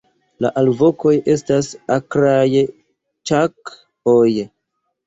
La alvokoj estas akraj "ĉak"'oj.